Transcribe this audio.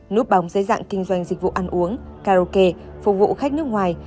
núp bóng dưới dạng kinh doanh dịch vụ ăn uống karaoke phục vụ khách nước ngoài